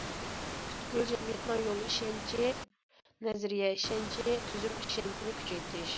پۈتكۈل جەمئىيەتنىڭ يول ئىشەنچى، نەزەرىيە ئىشەنچى، تۈزۈم ئىشەنچىنى كۈچەيتىش.